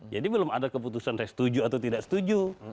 jadi belum ada keputusan saya setuju atau tidak setuju